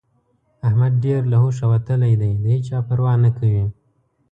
احمد ډېر له هوښه وتلی دی؛ د هيچا پروا نه کوي.